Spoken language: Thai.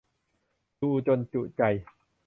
ดูจนจุใจ